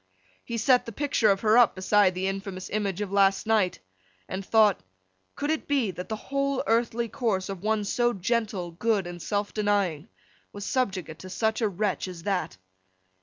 He set the picture of her up, beside the infamous image of last night; and thought, Could it be, that the whole earthly course of one so gentle, good, and self denying, was subjugate to such a wretch as that!